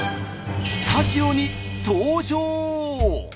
スタジオに登場！